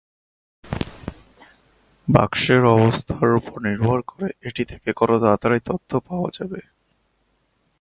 বাক্সের অবস্থার উপর নির্ভর করে এটি থেকে কত তাড়াতাড়ি তথ্য পাওয়া যাবে।